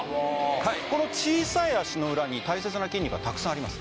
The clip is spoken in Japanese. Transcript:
この小さい足の裏に大切な筋肉がたくさんあります